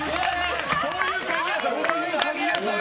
そういう、かぎ屋さん。